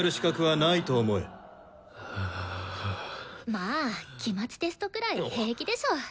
まあ期末テストくらい平気でしょ。